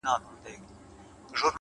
زحمت د موخو د پخېدو لمر دی,